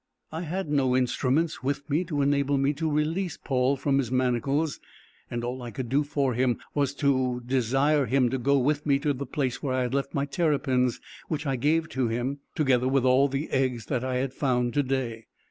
I had no instruments with me to enable me to release Paul from his manacles, and all I could do for him was to desire him to go with me to the place where I had left my terrapins, which I gave to him, together with all the eggs that I had found to day.